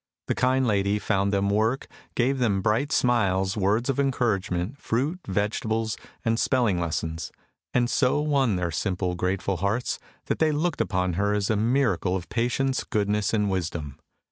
The kind lady found them work, gave them bright smiles, words of encouragement, fruit, vegetables, and spelling lessons, and so won their simple, grateful hearts that they looked upon her as a miracle of patience, goodness, and wisdom.